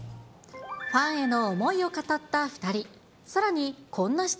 ファンへの思いを語った２人。